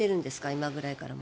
今ぐらいから。